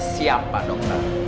siap pak dokter